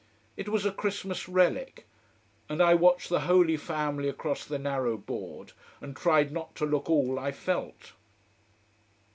It was a Christmas relic. And I watched the Holy Family across the narrow board, and tried not to look all I felt.